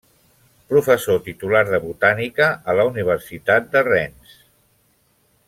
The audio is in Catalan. Professor titular de botànica a la Universitat de Rennes.